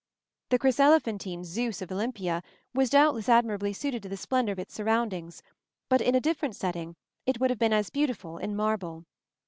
The chryselephantine Zeus of Olympia was doubtless admirably suited to the splendor of its surroundings; but in a different setting it would have been as beautiful in marble.